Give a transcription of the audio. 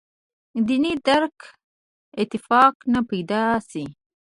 دیني درک اتفاق نه پیدا شي.